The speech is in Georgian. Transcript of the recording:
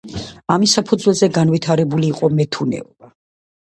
ამის საფუძველზე განვითარებული იყო მეთუნეობა.